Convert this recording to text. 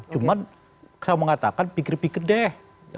cuma saya mau ngatakan pikir pikir deh